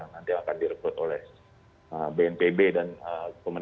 nanti akan direkrut oleh bnpb dan pemerintah juga akan melimpatkan